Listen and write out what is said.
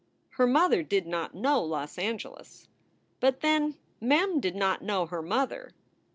Her mother did not know Los Angeles. But then, Mem did not know her mother.